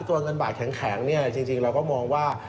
ตัวเงินบาทแข็งจริงเราก็มองว่า